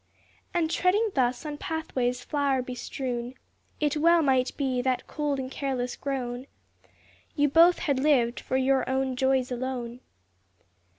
And treading thus on pathways flower bestrewn, It well might be, that, cold and careless grown, You both had lived for your own joys alone.